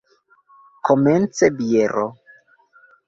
Komence biero.